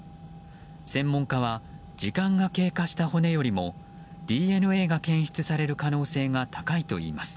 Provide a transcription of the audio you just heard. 専門家は時間が経過した骨よりもＤＮＡが検出される可能性が高いといいます。